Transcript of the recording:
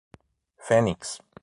Fênix